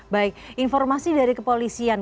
baik informasi dari kepolisian